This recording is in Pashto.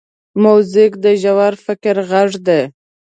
موزیک د ژور فکر غږ دی.